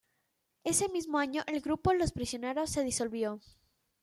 Ese mismo año, el grupo Los Prisioneros se disolvió.